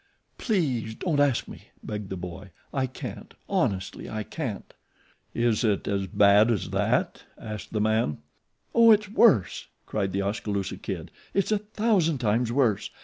"Please don't ask me," begged the boy. "I can't; honestly I can't." "Is it as bad as that?" asked the man. "Oh, it's worse," cried The Oskaloosa Kid. "It's a thousand times worse.